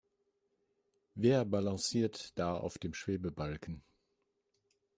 Wer balanciert da auf dem Schwebebalken?